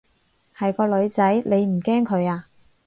係個女仔，你唔驚佢啊？